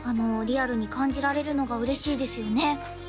リアルに感じられるのが嬉しいですよね